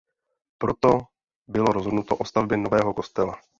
Proto bylo rozhodnuto o stavbě nového kostela.